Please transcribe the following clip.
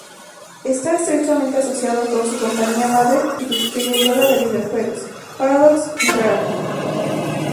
Está estrechamente asociado con su compañía madre y distribuidora de videojuegos, Paradox Interactive.